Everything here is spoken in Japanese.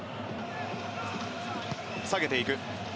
下げていく。